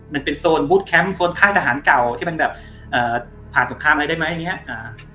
มันเป็นโซนบูธแคมป์โซนภาคทหารเก่าที่มันแบบผ่านสงครามอะไรได้ไหม